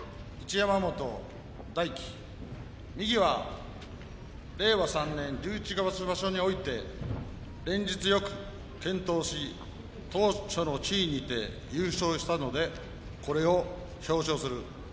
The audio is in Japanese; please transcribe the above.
山本大生右は令和３年十一月場所において連日よく健闘し頭書の地位にて優勝したのでこれを表彰する。